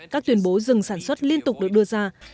các tuyên bố dừng sản xuất liên tục được đưa ra